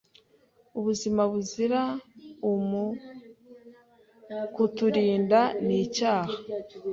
ubuzima buzira umuKutirinda ni Icyaha